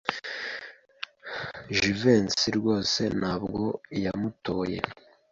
Jivency rwose ntabwo yamutoye.